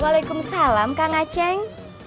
waalaikumsalam kak ngaceng